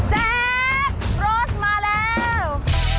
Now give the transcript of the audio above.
แจ๊กโรสมาแล้ว